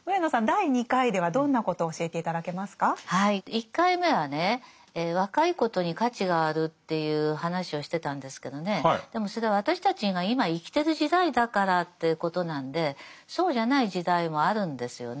１回目はね若いことに価値があるっていう話をしてたんですけどねでもそれは私たちが今生きてる時代だからということなんでそうじゃない時代もあるんですよね。